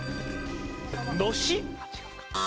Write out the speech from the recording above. のし？